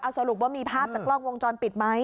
สรุปว่ามีภาพจากกล้องวงจรปิดไหม